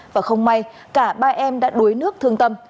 và không may cả ba em đã đuối nước thương tâm